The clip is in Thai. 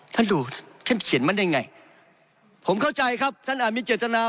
ท่านดูท่านเขียนมันได้ไงผมเข้าใจครับท่านอาจมีเจตนา